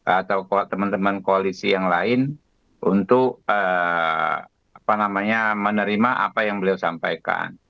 atau teman teman koalisi yang lain untuk menerima apa yang beliau sampaikan